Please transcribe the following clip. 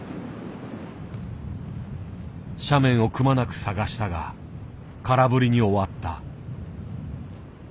斜面をくまなく探したが空振りに終わった。